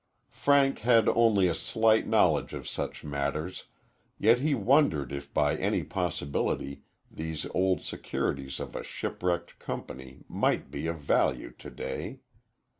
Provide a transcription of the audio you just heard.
Frank had only a slight knowledge of such matters, yet he wondered if by any possibility these old securities of a shipwrecked company might be of value to day.